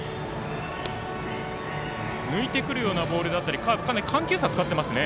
抜いてくるようなボールだったり緩急差を使っていますね。